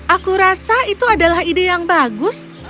aku rasa itu adalah ide yang bagus